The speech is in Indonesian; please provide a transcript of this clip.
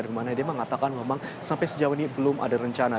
dimana dia mengatakan memang sampai sejauh ini belum ada rencana